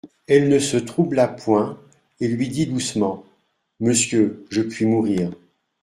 Elle ne se troubla point et lui dit doucement : «Monsieur, je puis mourir.